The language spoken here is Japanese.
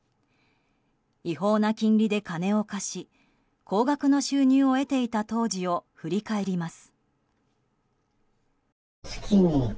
違法な金利で金を貸し高額な収入を得ていた当時を振り返ります。